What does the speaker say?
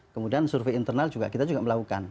kemudian survei internal juga kita juga melakukan